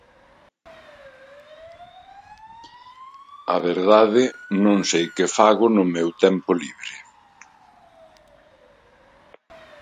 A verdade, non sei que fago no meu tempo libre!